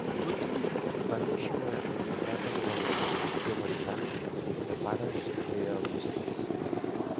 Dudley va néixer a Anglaterra durant la Revolució Americana, de pares lealistes.